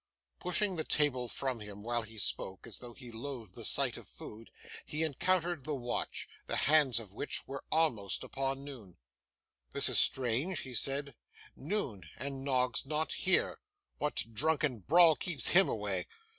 Pushing the table from him while he spoke, as though he loathed the sight of food, he encountered the watch: the hands of which were almost upon noon. 'This is strange!' he said; 'noon, and Noggs not here! What drunken brawl keeps him away?